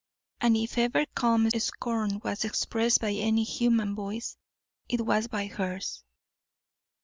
And if ever calm scorn was expressed by any human voice, it was by hers.